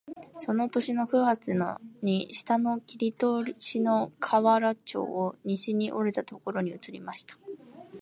その年の九月に下の切り通しの河原町を西に折れたところに移りました